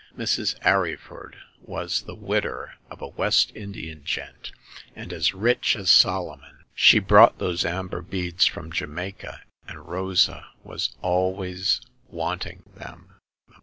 Mrs. Arryford was the widder of a West Indian gent, and as rich as Solomon. She brought those amber beads from Jamaica, and Rosa was always want ing them."